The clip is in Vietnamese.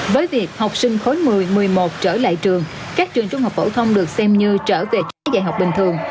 với việc học sinh khối một mươi một mươi một trở lại trường các trường trung học phổ thông được xem như trở về trí dạy học bình thường